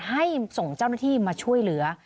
ให้ส่งเจ้าหน้าที่มาช่วยเหลือ